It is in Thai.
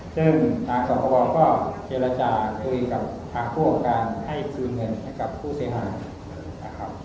ซึ่งทางสภาพฤทธิศจังหวัดก็เจรจาคุยกับทางผู้ปกป้องการให้คืนเงินให้กับผู้เสียหายครับ